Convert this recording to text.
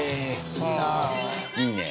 いいねえ。